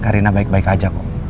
karina baik baik aja kok